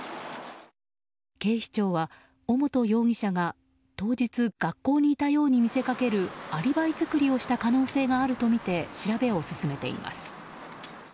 警視庁は尾本容疑者が当日学校にいたように見せかけるアリバイ作りをした可能性があるとみて調べを進めています。